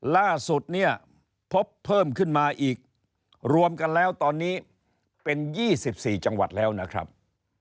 ล่าสุดเนี่ยพบเพิ่มขึ้นมาอีกรวมกันแล้วตอนนี้เป็น๒๔จังหวัดแล้วนะครับ